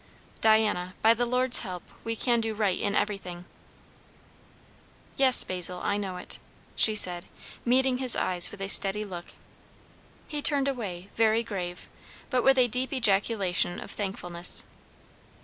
"Diana, by the Lord's help we can do right in everything." "Yes, Basil; I know it!" she said, meeting his eyes with a steady look. He turned away, very grave, but with a deep ejaculation of thankfulness.